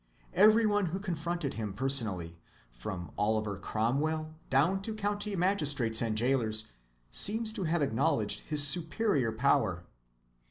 Every one who confronted him personally, from Oliver Cromwell down to county magistrates and jailers, seems to have acknowledged his superior power.